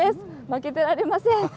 負けてられません。